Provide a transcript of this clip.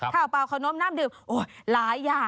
เปล่าขนมน้ำดื่มโอ้ยหลายอย่าง